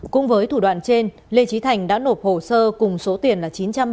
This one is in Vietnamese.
cùng với thủ đoàn trên lê trí thành đã nộp hồ sơ cùng số tiền là